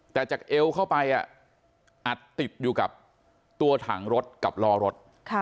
แต่จากเอวเข้าไปอัดติดอยู่กับตัวถังรถกับล้อรถ